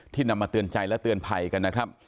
นำมาเตือนใจและเตือนภัยกันนะครับ